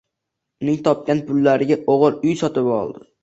Uning topgan pullariga o`g`il uy sotib oldi